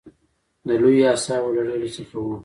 د لویو اصحابو له ډلې څخه و.